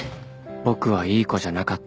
僕はいい子じゃなかった